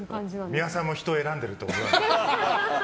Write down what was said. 美輪さんも人を選んでると思う。